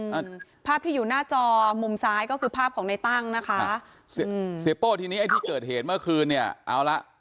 แหลปภาพที่อยู่หน้าจอมุมซ้ายก็คือภาพของในตั้งนะคะ